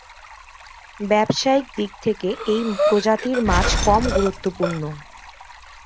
ব্যবসায়িক দিক থেকে এই প্রজাতির মাছ কম গুরুত্বপূর্ণ।